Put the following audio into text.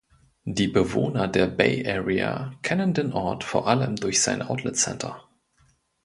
Die Bewohner der Bay Area kennen den Ort vor allem durch sein Outlet Center.